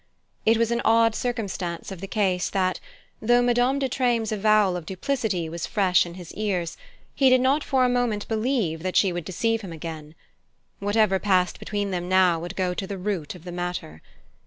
It was an odd circumstance of the case that, though Madame de Treymes' avowal of duplicity was fresh in his ears, he did not for a moment believe that she would deceive him again. Whatever passed between them now would go to the root of the matter.